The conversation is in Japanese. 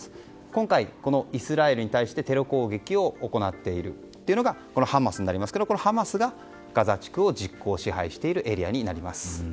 今回イスラエルに対して攻撃を行っているのがハマスになりますがこのハマスがガザ地区を実効支配しているエリアになります。